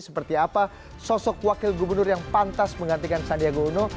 seperti apa sosok wakil gubernur yang pantas menggantikan sandiaga uno